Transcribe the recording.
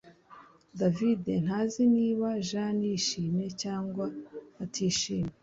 David ntazi niba Jane yishimye cyangwa atishimye